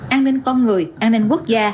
an ninh con người an ninh quốc gia